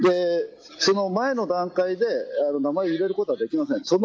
その前の段階で名前を入れることはできません。